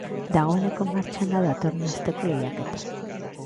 Dagoeneko martxan da datorren asteko lehiaketa.